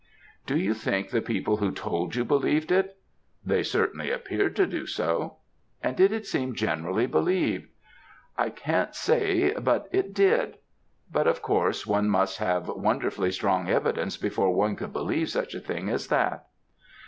"Do you think the people who told you believed it?" "They certainly appeared to do so." "And did it seem generally believed?" "I can't say but it did; but of course, one must have wonderfully strong evidence before one could believe such a thing as that."